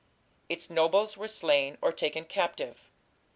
Its nobles were slain or taken captive.